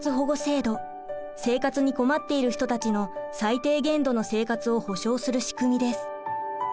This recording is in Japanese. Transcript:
生活に困っている人たちの最低限度の生活を保障する仕組みです。